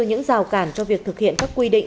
những rào cản cho việc thực hiện các quy định